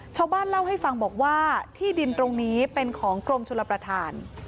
ชาวบ้านเล่าให้ฟังบอกว่าที่ดินตรงนี้เป็นของกรมชลประธาน